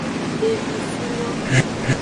Xevifu yo.